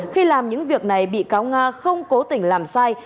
khi làm những việc này bị cáo nga không cố tình làm sai